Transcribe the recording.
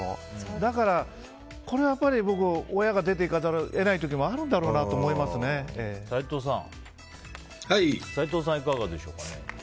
だから、これはやっぱり親が出て行かざるを得ない時も齋藤さんはいかがでしょう。